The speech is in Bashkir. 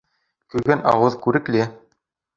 Көлгән ауыҙ күрекле.